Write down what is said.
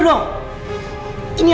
kalo masang yang bener dong